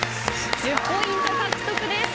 １０ポイント獲得です。